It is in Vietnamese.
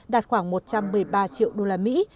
đạt khoảng một trăm một mươi ba triệu usd